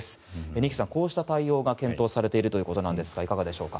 二木さん、こうした対応が検討されているということですがいかがでしょうか？